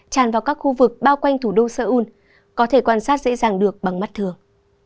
tràn vào các khu vực bao quanh thủ đô seoul có thể quan sát dễ dàng được bằng mắt thường